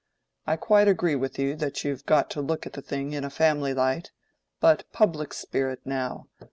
I quite agree with you that you've got to look at the thing in a family light: but public spirit, now.